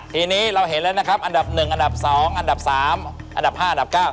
ทีนี้เราเห็นแล้วนะครับอันดับ๑อันดับ๒อันดับ๓อันดับ๕อันดับ๙